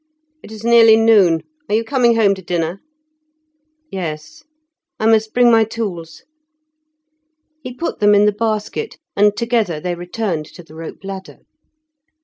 It is nearly noon; are you coming home to dinner?" "Yes; I must bring my tools." He put them in the basket, and together they returned to the rope ladder.